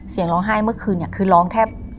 เสียงร้องไห้เมื่อคืนเนี่ยคือร้องแทบ